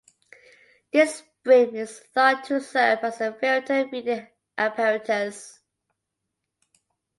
This brim is thought to serve as a filter-feeding apparatus.